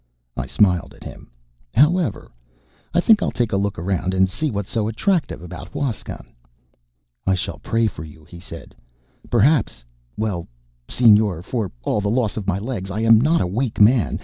I smiled at him. "However, I think I'll take a look around and see what's so attractive about Huascan." "I shall pray for you," he said. "Perhaps well, Señor, for all the loss of my legs, I am not a weak man.